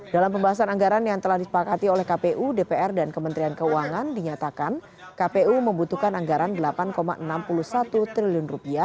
dalam pembahasan anggaran yang telah disepakati oleh kpu dpr dan kementerian keuangan dinyatakan kpu membutuhkan anggaran rp delapan enam puluh satu triliun